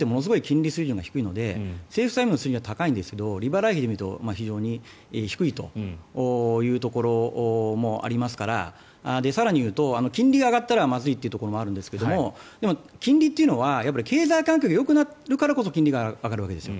それでいうと日本ってものすごい金利が低いので政府債務は高いんですが利払い費で見ると非常に低いというところもありますから更に言うと金利が上がったらまずいところもあるんですがでも金利というのは経済環境がよくなるからこそ上がるわけです。